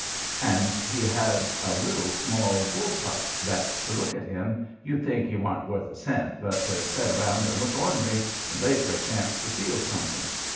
And he had a little small bull pup, that to look at him you'd think he warn't worth a cent but to set around and look ornery and lay for a chance to steal something.